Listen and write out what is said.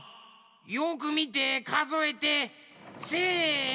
よくみてかぞえてせの！